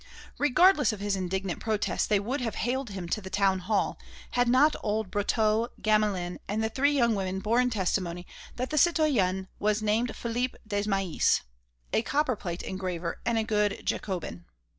Regardless of his indignant protests, they would have haled him to the town hall, had not old Brotteaux, Gamelin, and the three young women borne testimony that the citoyen was named Philippe Desmahis, a copper plate engraver and a good Jacobin.